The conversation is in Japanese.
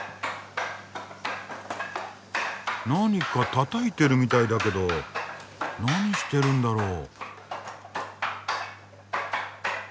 ・何かたたいてるみたいだけど何してるんだろう？